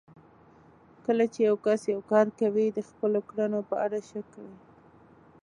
کله چې يو کس يو کار کوي د خپلو کړنو په اړه شک کوي.